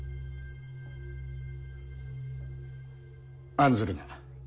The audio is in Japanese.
案ずるな。